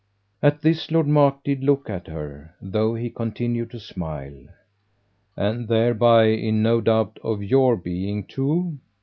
At this Lord Mark did look at her, though he continued to smile. "And thereby in no doubt of YOUR being too?"